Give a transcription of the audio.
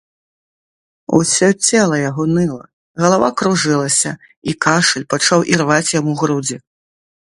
Усё цела яго ныла, галава кружылася, і кашаль пачаў ірваць яму грудзі.